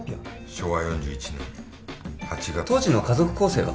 昭和４１年８月当時の家族構成は？